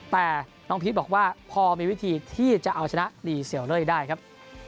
แต่น้องพีชบอกว่าพอมีวิธีที่จะเอาชนะดีเซลเล่ได้ครับ